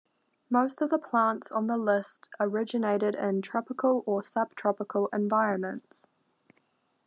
Most of the plants on the list originated in tropical or subtropical environments.